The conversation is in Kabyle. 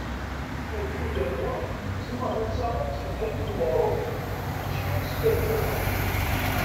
Agdud am wa tzemreḍ ad d-taɣeḍ s uḥerrif n weɣrum, mačči kan s ddabex uḍar.